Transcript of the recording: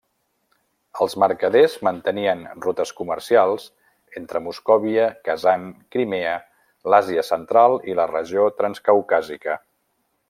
Els mercaders mantenien rutes comercials entre Moscòvia, Kazan, Crimea, l'Àsia Central i la regió transcaucàsica.